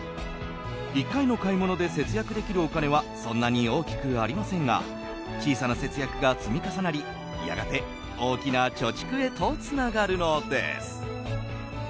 １回の買い物で節約できるお金はそんなに大きくありませんが小さな節約が積み重なりやがて大きな貯蓄へとつながるのです。